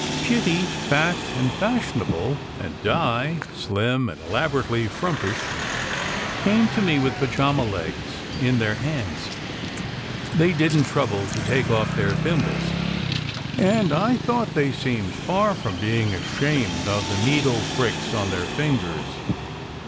Kitty, fat and fashionable, and Di, slim and elaborately frumpish, came to meet me with pajama legs in their hands. They didn t trouble to take off their thimbles, and I thought they seemed far from being ashamed of the nee dle pricks on their fingers.